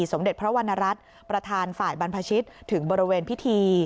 สมเด็จพระวรรณรัฐประธานฝ่ายบรรพชิตถึงบริเวณพิธี